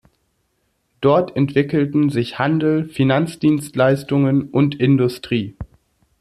Dort entwickelten sich Handel, Finanzdienstleistungen und Industrie.